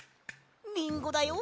リンゴだよ。